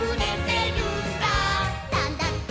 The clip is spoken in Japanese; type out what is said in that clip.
「なんだって」